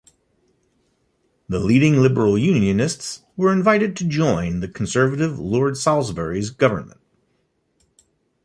The leading Liberal Unionists were invited to join the Conservative Lord Salisbury's government.